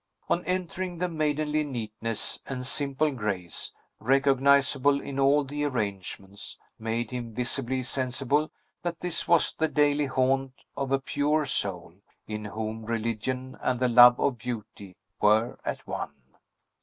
On entering, the maidenly neatness and simple grace, recognizable in all the arrangements, made him visibly sensible that this was the daily haunt of a pure soul, in whom religion and the love of beauty were at one.